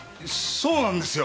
そうなんですよ。